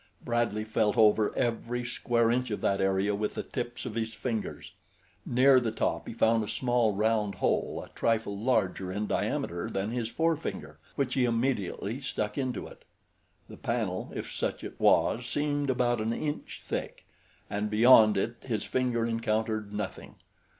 Bradley felt over every square inch of that area with the tips of his fingers. Near the top he found a small round hole a trifle larger in diameter than his forefinger, which he immediately stuck into it. The panel, if such it was, seemed about an inch thick, and beyond it his finger encountered nothing.